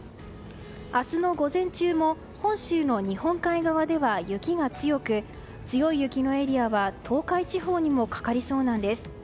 明日の午前中も本州の日本海側では雪が強く強い雪のエリアは東海地方にもかかりそうなんです。